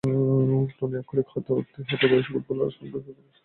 Tony আক্ষরিক অর্থেই হাঁটুর বয়সী ফুটবলারদের সঙ্গে শুধু খেলছেনই না, পাল্লা দিচ্ছেন।